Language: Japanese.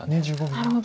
なるほど。